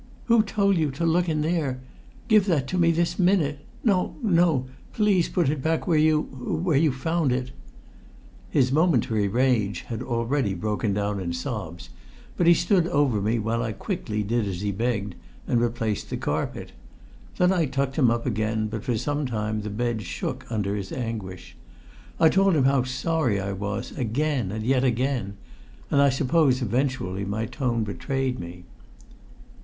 "Who told you to look in there? Give that to me this minute! No no please put it back where you where you found it!" His momentary rage had already broken down in sobs, but he stood over me while I quickly did as he begged and replaced the carpet; then I tucked him up again, but for some time the bed shook under his anguish. I told him how sorry I was, again and yet again, and I suppose eventually my tone betrayed me.